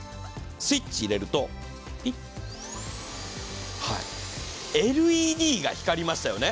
スイッチを入れるとピッ、ＬＥＤが光りましたよね。